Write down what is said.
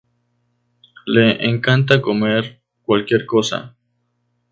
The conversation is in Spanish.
Le encanta comer cualquier cosa.